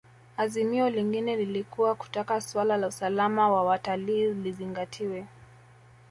Azimio lingine lilikuwa kutaka suala la usalama wa watalii lizingatiwe